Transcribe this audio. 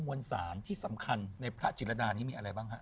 มวลสารที่สำคัญในพระจิรดานี้มีอะไรบ้างฮะ